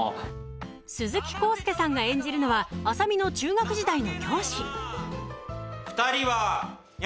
鈴木浩介さんが演じるのは麻美の中学時代の教師２人は！